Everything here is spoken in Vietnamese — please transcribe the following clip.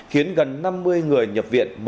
khiến gần năm mươi người nhập viện